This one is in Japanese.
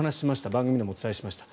番組でもお伝えしました。